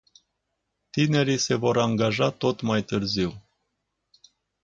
Tinerii se vor angaja tot mai târziu.